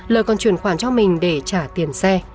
lời còn chuyển khoản cho mình để trả tiền xe